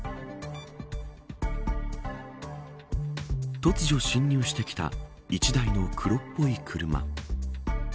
突如侵入してきた１台の黒っぽい車。